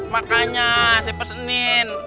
makanya saya pesenin